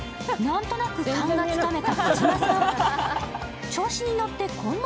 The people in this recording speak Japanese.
何となく勘がつかめた児嶋さん。